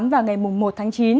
và ngày một tháng chín